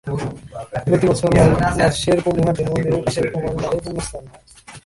প্রতিবছর মাঘ মাসের পূর্ণিমার দিনে মন্দিরের পাশের কুমার নদে পুণ্যস্নান হয়।